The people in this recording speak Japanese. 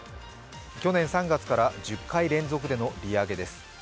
去年３月から１０回連続での利上げです。